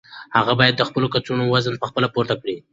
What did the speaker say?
هغوی باید د خپلو کڅوړو وزن په خپله پورته کړي.